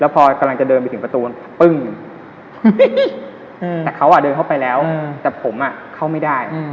พอกำลังจะเดินไปถึงประตูปึ้งแต่เขาเดินเข้าไปแล้วแต่ผมเข้าไม่ได้